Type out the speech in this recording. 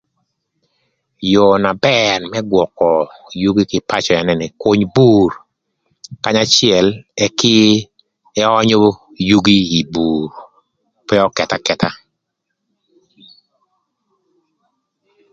Yoo na bër më gwökö yugi kï ï pacö ënë nï küny bur kanya acël ëk ëönyö yugi ï bur pe ökëth akëtha.